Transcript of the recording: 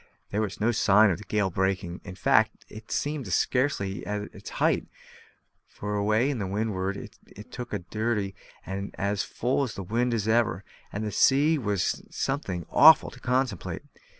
There was no sign of the gale breaking; in fact, it seemed to be scarcely at its height, for away to windward it looked as dirty and as full of wind as ever; and the sea was something awful to contemplate.